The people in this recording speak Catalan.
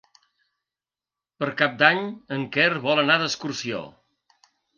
Per Cap d'Any en Quer vol anar d'excursió.